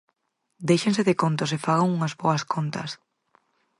¡Déixense de contos e fagan unhas boas contas!